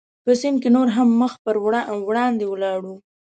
په سیند کې نور هم مخ پر وړاندې ولاړو.